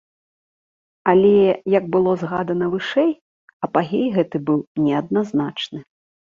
Але, як было згадана вышэй, апагей гэты быў неадназначны.